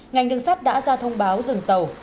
ngành đường sắt đã ra thông báo dừng tàu